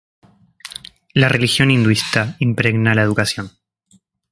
La religión hinduista impregna la educación.